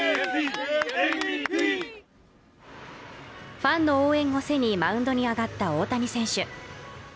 ファンの応援を背にマウンドに上がった大谷選手。